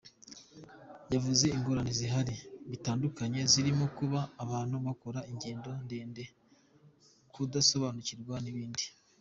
Yanavuze ingorane zihari bitandukanye zirimo kuba abantu bakora ingendo ndende, kudasobanukirwa, n’ibindi.